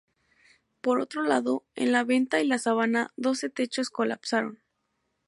Por otro lado, en La Venta y La Sabana, doce techos colapsaron.